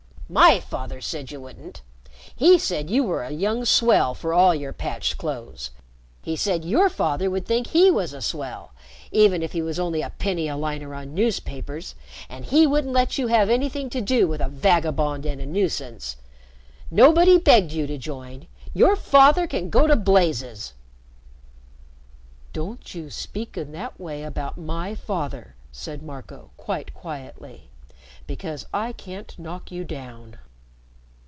"My father said you wouldn't. He said you were a young swell for all your patched clothes. He said your father would think he was a swell, even if he was only a penny a liner on newspapers, and he wouldn't let you have anything to do with a vagabond and a nuisance. Nobody begged you to join. Your father can go to blazes!" "Don't you speak in that way about my father," said Marco, quite quietly, "because I can't knock you down."